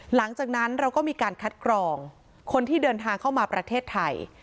หลังจากนั้นเราก็มีการคัดกรองคนที่เดินทางเข้ามาประเทศไทย